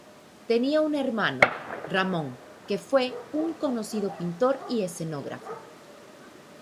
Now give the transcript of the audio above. Tenía un hermano, Ramón, que fue un conocido pintor y escenógrafo.